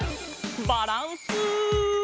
バランス。